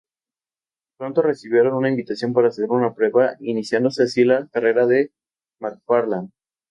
Pronto recibieron una invitación para hacer una prueba, iniciándose así la carrera de McFarland.